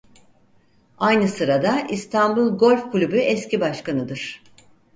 Aynı sırada İstanbul Golf Kulübü eski başkanıdır.